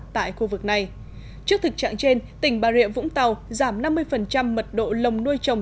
tại khu vực này trước thực trạng trên tỉnh bà rịa vũng tàu giảm năm mươi mật độ lồng nuôi trồng